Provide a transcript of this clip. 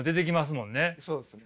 そうですね。